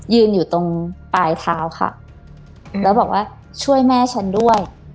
ยืนอยู่ตรงปลายเท้าค่ะแล้วบอกว่าช่วยแม่ฉันด้วย